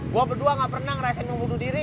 gue berdua gak pernah ngerasain membunuh diri